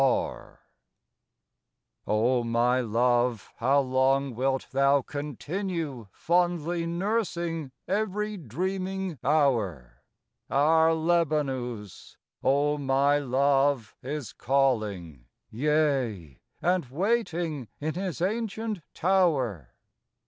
R . O my Love, how long wilt thou continue Fondly nursing every dreaming Hour! Our Lebanus, O my Love, is calling. Yea, and waiting in his ancient Tower.